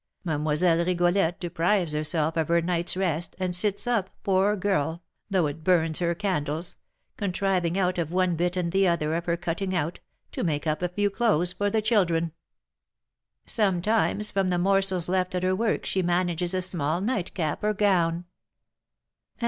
Mlle. Rigolette deprives herself of her night's rest, and sits up, poor girl (though it burns her candles), contriving out of one bit and the other of her cutting out, to make up a few clothes for the children; sometimes from the morsels left of her work she manages a small nightcap or gown; and M.